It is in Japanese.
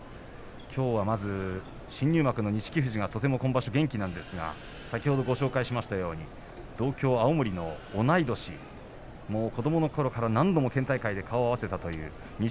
きょうはまず新入幕の錦富士がとても今場所元気なんですが先ほどご紹介しましたように同郷青森の同い年子どものころから何度も県大会で顔を合わせたという錦